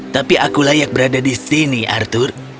tapi aku layak berada di sini arthur